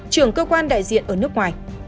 trường cơ quan đại diện ở nước ngoài